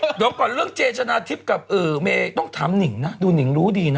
เดี๋ยวก่อนเรื่องเจชนะทิพย์กับเมย์ต้องถามหนิงนะดูหนิงรู้ดีนะ